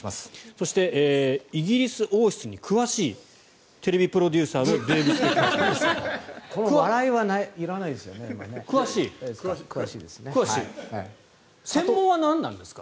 そしてイギリス王室に詳しいテレビプロデューサーのデーブ・スペクターさんです。